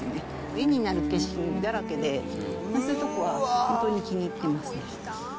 絵になる景色だらけでそういうところは本当に気に入ってますね。